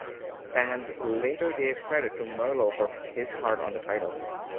Fans later gave credit to Merlo for his part on the title.